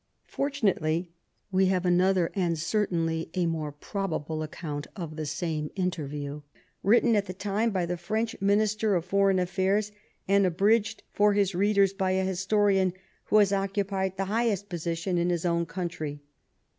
Fortunately we have another, and certainly a more probable account of the same interview, written at the time by the French Minister for Foreign Affairs, and abridged for his readers by a historian who has occupied the highest position in his own country.